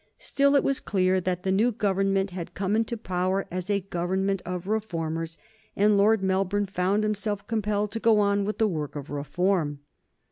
Still, it was clear that the new Government had come into power as a Government of reformers, and Lord Melbourne found himself compelled to go on with the work of reform.